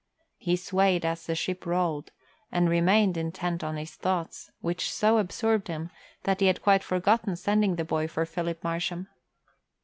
He swayed as the ship rolled, and remained intent on his thoughts, which so absorbed him that he had quite forgotten sending the boy for Philip Marsham.